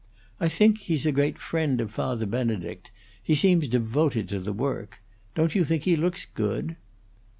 I think he's a great friend of Father Benedict; he seems devoted to the work. Don't you think he looks good?"